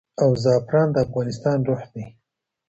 او زعفران د افغانستان روح دی.